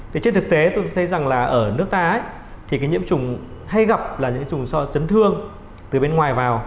thì trên thực tế tôi thấy rằng là ở nước ta thì cái nhiễm trùng hay gặp là những chủng so chấn thương từ bên ngoài vào